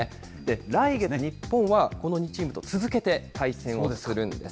来月、日本はこの２チームと続けて対戦をするんです。